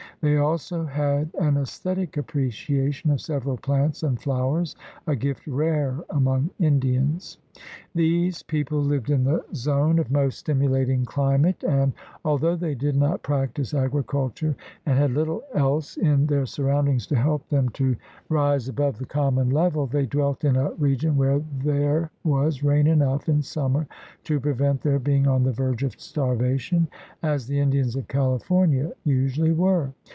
They also had an esthetic appreciation of several plants and flowers — a gift rare among Indians. These people lived in the zone of most stimulating climate and, although they did not practice agriculture and had little else in their surroundings to help them to rise above the common level, they dwelt in a region where there was rain enough in summer to pre vent their being on the verge of starvation, as 144 THE RED MAN'S CONTINENT the Indians of California usually were.